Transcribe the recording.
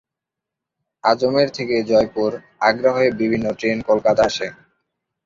আজমের থেকে জয়পুর, আগ্রা হয়ে বিভিন্ন ট্রেন কলকাতা আসে।